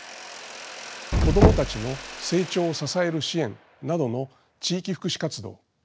子供たちの成長を支える支援などの地域福祉活動。